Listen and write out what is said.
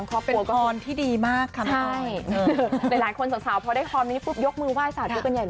ก็ดีมากค่ะน้องอรหลายคนสาวเพราะได้คอมนี้ปุ๊บยกมือไหว้สาวทุกคนใหญ่เลย